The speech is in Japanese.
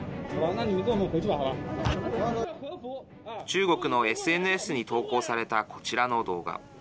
中国のＳＮＳに投稿されたこちらの動画。